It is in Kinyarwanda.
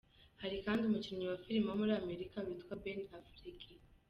Hari kandi umukinnyi wa filime wo muri Amerika witwa Beni Afuleki.